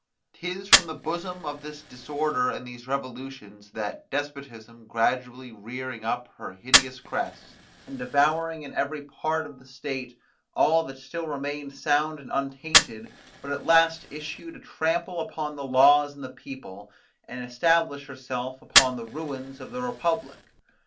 'Tis from the bosom of this disorder and these revolutions, that despotism gradually rearing up her hideous crest, and devouring in every part of the state all that still remained sound and untainted, would at last issue to trample upon the laws and the people, and establish herself upon the ruins of the republic.